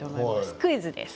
クイズです。